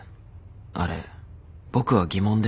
あれ僕は疑問でした。